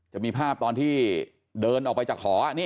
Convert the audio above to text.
จะมีภาพตอนที่เดินออกไปจากหอ